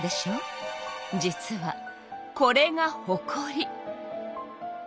実はこれがほこり。